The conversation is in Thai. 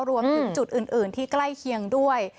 รวมถึงจุดอื่นที่ใกล้เคียงด้วย